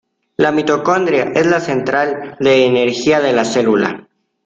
La mitocondria es la central de energía de la célula.